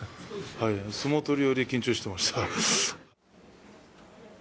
相撲取るより緊張してました。